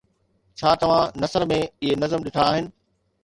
ڇا توهان نثر ۾ اهي نظم ڏٺا آهن؟